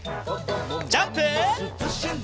ジャンプ！